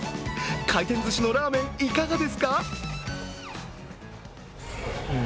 回転ずしのラーメン、いかがですか？